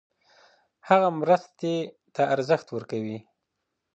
هغه مرستې ته ارزښت ورکوي.